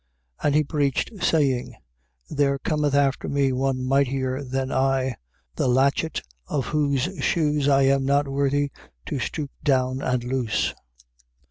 1:7. And he preached, saying: There cometh after me one mightier than I, the latchet of whose shoes I am not worthy to stoop down and loose.